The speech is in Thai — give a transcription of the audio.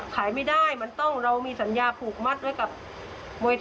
ขายไม่ได้มันต้องเรามีสัญญาผูกมัดไว้กับมวย